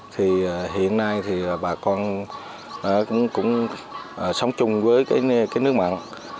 thì hiện nay thì bà con cũng sống chung với cái nước mặn